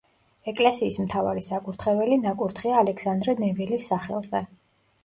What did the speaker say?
ეკლესიის მთავარი საკურთხეველი ნაკურთხია ალექსანდრე ნეველის სახელზე.